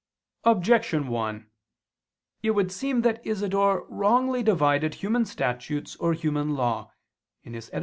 Objection 1: It would seem that Isidore wrongly divided human statutes or human law (Etym.